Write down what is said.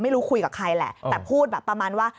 ไม่รู้คุยกับใครค่ะแต่พูดประมาณว่า